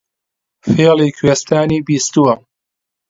فێڵی کوێستانی بیستوونە